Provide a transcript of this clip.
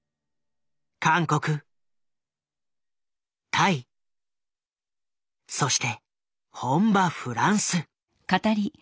韓国タイそして本場フランス。